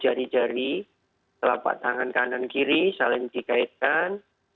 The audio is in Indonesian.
jari jari telapak tangan kanan kiri saling dikaitkan